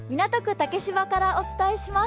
竹芝からお伝えします。